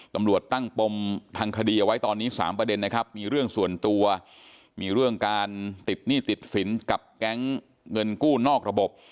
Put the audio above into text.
ตำรวจตั้งปมทางคดีเอาไว้ตอนนี้๓ประเด็นนะครับมีเรื่องส่วนตัวมีเรื่องการติดหนี้ติดสินกับแก๊งเงินกู้นอกระบบ